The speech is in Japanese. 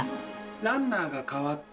ランナーが代わって。